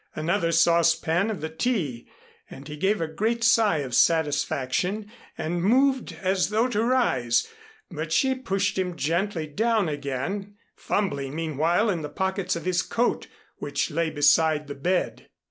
Another saucepan of the tea, and he gave a great sigh of satisfaction and moved as though to rise. But she pushed him gently down again, fumbling meanwhile in the pockets of his coat which lay beside the bed.